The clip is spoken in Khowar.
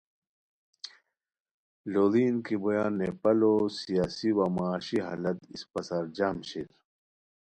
لوڑین کی بویان نیپالو سیاسی وا معاشی حالت اسپہ سار جم شیر